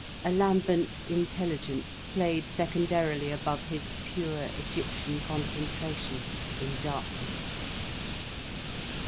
A lambent intelligence played secondarily above his pure Egyptian concentration in darkness.